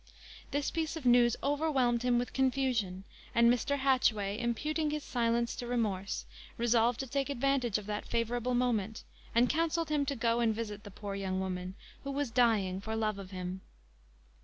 This piece of news overwhelmed him with confusion; and Mr. Hatchway, imputing his silence to remorse, resolved to take advantage of that favourable moment, and counselled him to go and visit the poor young woman, who was dying for love of him.